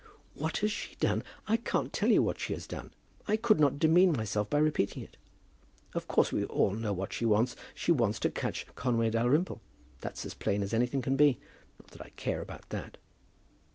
"What has she done? I can't tell you what she has done. I could not demean myself by repeating it. Of course we all know what she wants. She wants to catch Conway Dalrymple. That's as plain as anything can be. Not that I care about that."